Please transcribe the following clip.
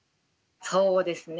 そうですね。